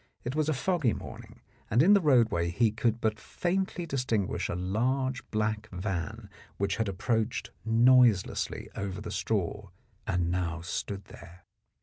It was a foggy morning, and in the roadway he could but faintly distinguish a large black van which had approached noiselessly over the straw and now stood there.